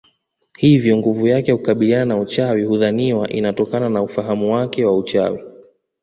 Hivyo nguvu yake ya kukabiliana na uchawi hudhaniwa inatokana na ufahamu wake wa uchawi